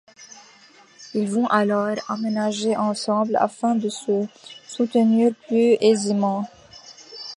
Ils vont alors emménager ensemble, afin de se soutenir plus aisément.